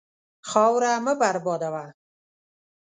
خاوره مه بربادوه.